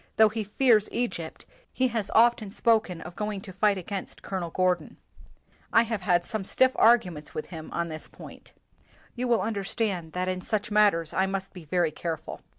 Though he fears Egypt, he has often spoken of going to fight against Colonel Gordon. I have had some stiff arguments with him on this point. You will understand that in such matters I must be very careful.